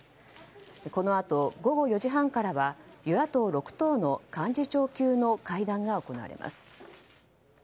このあと、午後４時半からは与野党６党の幹事長級の会談が行われます。